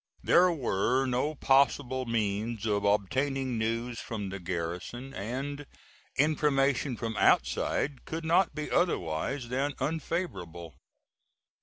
There were no possible means of obtaining news from the garrison, and information from outside could not be otherwise than unfavorable.